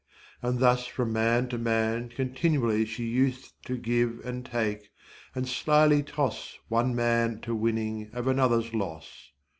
And thus from man to man continually She us'th to give and take, and slily toss One man to winning of another's loss.